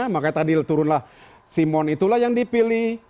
makanya tadi turunlah simon itulah yang dipilih